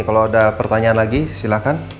kalau ada pertanyaan lagi silahkan